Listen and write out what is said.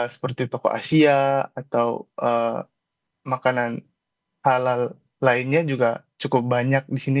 seperti toko asia atau makanan halal lainnya juga cukup banyak di sini